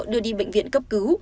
đưa đi bệnh viện cấp cứu